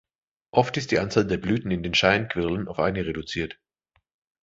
Oft ist die Anzahl der Blüten in den Scheinquirlen auf eine reduziert.